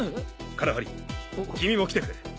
カラハリ君も来てくれ。